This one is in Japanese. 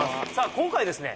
今回ですね